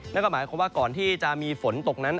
นั่นก็หมายความว่าก่อนที่จะมีฝนตกนั้น